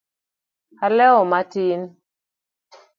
alewo matin